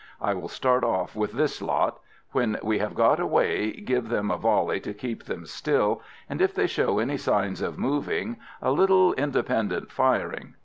I will start off with this lot. When we have got away give them a volley to keep them still; and if they show any signs of moving, a little independent firing.